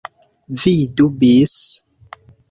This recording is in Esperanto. Vidu bis.